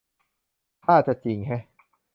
ท่าจะจริงแฮะ